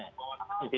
seperti itu kira kira